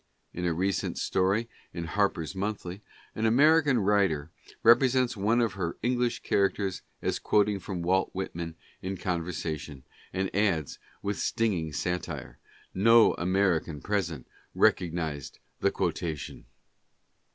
In a recent story in Harpers 1 Monthly, an American writer represents one of her English characters as quoting from Walt Whitman in conversa tion, and adds with stinging satire, " No American present recognized the quotation."